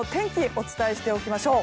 お伝えしておきましょう。